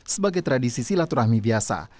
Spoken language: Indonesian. sebagai tradisi silaturahmi biasa